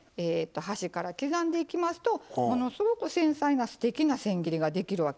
端から刻んでいきますとものすごく繊細なすてきなせん切りができるわけなんですね。